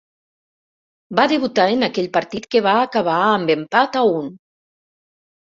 Va debutar en aquell partit que va acabar amb empat a un.